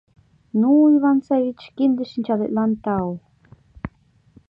Ну, Иван Саввич, кинде-шинчалетлан тау!